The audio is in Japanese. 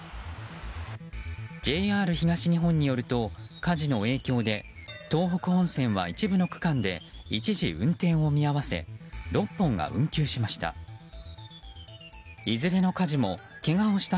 ＪＲ東日本によると火事の影響で東北本線は一部の区間で一時運転を見合わせ６本が運休しました。